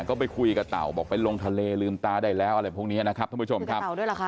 ก็ไปคุยกับเต่าบอกไปลงทะเลลืมตาได้แล้วอะไรพวกนี้นะครับท่านผู้ชมครับเต่าด้วยเหรอคะ